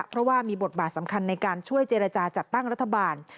เพราะว่ามีบทบาทสำคัญในการช่วยเจรจาจัดตั้งรัฐบาล